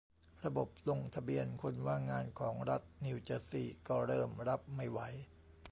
ระบบลงทะเบียนคนว่างงานของรัฐนิวเจอร์ซีย์ก็เริ่มรับไม่ไหว